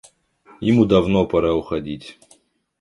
Ему давно пора уходить.